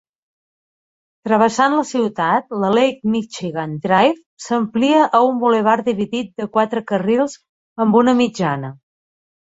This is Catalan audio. Travessant la ciutat, la Lake Michigan Drive s"amplia a un bulevard dividit de quatre carrils amb una mitjana.